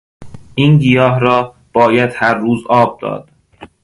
این گیاه را باید هر روز آب داد.